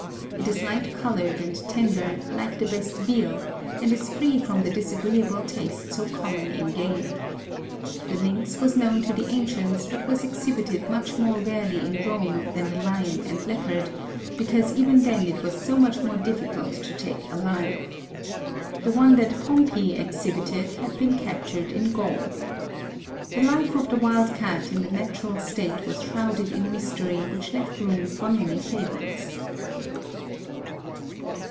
It is light colored and tender, like the best veal, and is free from the disagreeable taste so common in game. The lynx was known to the ancients but was exhibited much more rarely in Rome than the lion and leopard, because even then it was so much more difficult to take alive. The one that Pompey exhibited had been captured in Gaul. The life of the wildcat in the natural state was shrouded in mystery which left room for many fables.